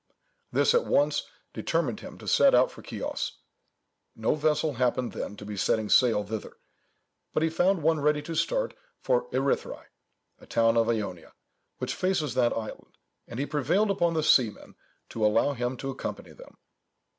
This at once determined him to set out for Chios. No vessel happened then to be setting sail thither, but he found one ready to start for Erythræ, a town of Ionia, which faces that island, and he prevailed upon the seamen to allow him to accompany them.